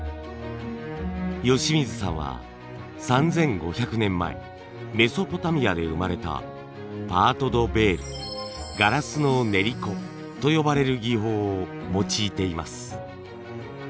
由水さんは３，５００年前メソポタミアで生まれたパート・ド・ヴェールガラスの練り粉と呼ばれる技法を用いています。